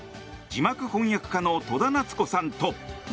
字幕翻訳家の戸田奈津子さんと。